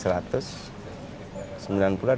sembilan puluh ada sembilan ratus tuh